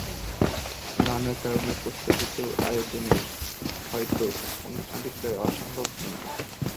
নানা কারণে প্রস্তাবিত আয়তনে হয়তো অনুষ্ঠানটি প্রায় অসম্ভব শুনায়।